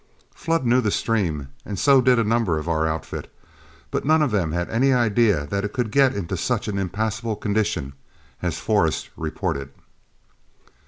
Flood knew the stream, and so did a number of our outfit, but none of them had any idea that it could get into such an impassable condition as Forrest reported.